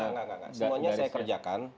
nggak semuanya saya kerjakan